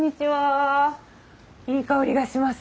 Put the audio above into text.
いい香りがします。